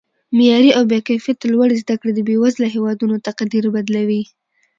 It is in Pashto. معیاري او با کیفته لوړې زده کړې د بیوزله هیوادونو تقدیر بدلوي